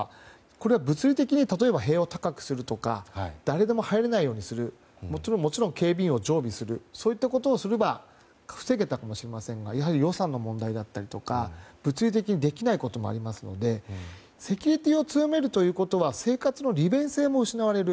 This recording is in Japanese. これは物理的に例えば、塀を高くするとか誰でも入れないようにするもちろん、警備員を常備するといったことをすれば防げたかもしれませんがやはり予算の問題だとか物理的にできないこともありますのでセキュリティーを強めるということは生活の利便性も失われる。